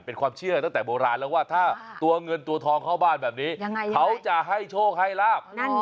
เป็นความเชื่อตั้งแต่โบราณแล้วว่าถ้าตัวเงินตัวทองเข้าบ้านแบบนี้เขาจะให้โชคให้ลาบ